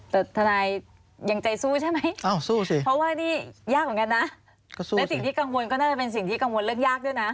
แต่ทนายยังใจสู้ใช่ไหมเพราะว่านี่ยากเหมือนกันนะและสิ่งที่กังวลก็น่าจะเป็นสิ่งที่กังวลเรื่องยากด้วยนะ